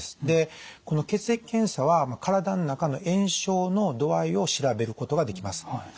でこの血液検査は体の中の炎症の度合いを調べることができます。